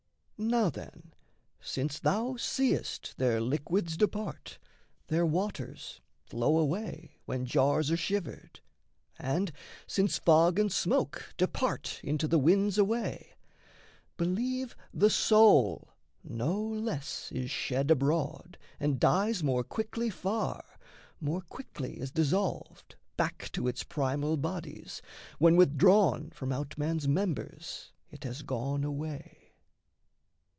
Now, then, since thou seest, Their liquids depart, their waters flow away, When jars are shivered, and since fog and smoke Depart into the winds away, believe The soul no less is shed abroad and dies More quickly far, more quickly is dissolved Back to its primal bodies, when withdrawn From out man's members it has gone away.